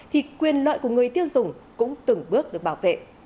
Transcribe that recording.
thì quyền lợi của người tiêu dùng cũng từng bước được bảo vệ